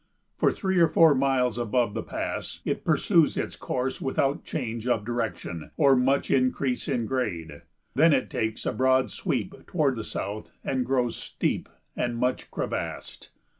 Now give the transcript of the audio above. For three or four miles above the pass it pursues its course without change of direction or much increase in grade; then it takes a broad sweep toward the south and grows steep and much crevassed.